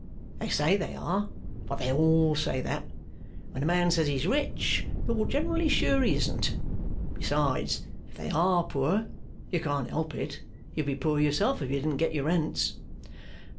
They say they are, but they all say that. When a man says he's rich, you're generally sure he isn't. Besides, if they are poor, you can't help it. You'd be poor yourself if you didn't get your rents.